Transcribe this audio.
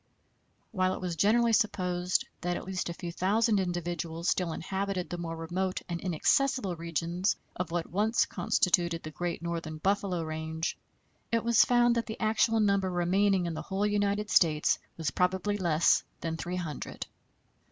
While it was generally supposed that at least a few thousand individuals still inhabited the more remote and inaccessible regions of what once constituted the great northern buffalo range, it was found that the actual number remaining in the whole United States was probably less than three hundred.